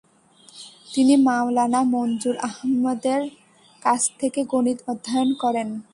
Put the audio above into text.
তিনি মাওলানা মনজুর আহমদের কাছ থেকে গণিত অধ্যয়ন করেন।